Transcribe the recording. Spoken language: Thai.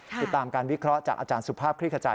ติดตามการวิเคราะห์จากอาจารย์สุภาพคลิกขจา